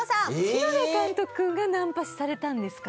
篠田監督がナンパされたんですか？